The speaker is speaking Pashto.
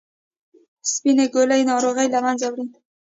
سپینې ګولۍ ناروغي له منځه وړي.